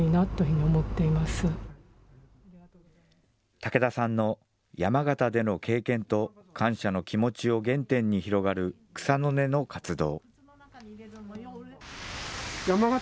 武田さんの山形での経験と感謝の気持ちを原点に広がる草の根の活動。